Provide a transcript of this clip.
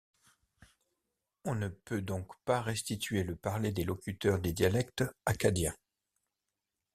On ne peut donc pas restituer le parler des locuteurs des dialectes akkadiens.